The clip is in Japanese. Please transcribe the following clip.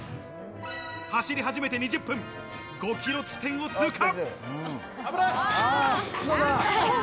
走り始めて２０分、５キロ地点を通過。